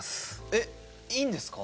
えっいいんですか？